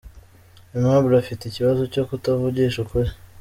Aimable afite ikibazo cyo kutavugisha ukuri.